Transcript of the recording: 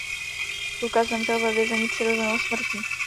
Lucas zemřel ve vězení přirozenou smrtí.